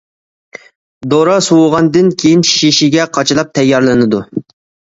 دورا سوۋۇغاندىن كېيىن شېشىگە قاچىلاپ تەييارلىنىدۇ.